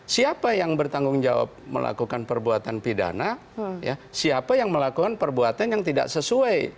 siapa yang bertanggung jawab melakukan perbuatan pidana siapa yang melakukan perbuatan yang tidak sesuai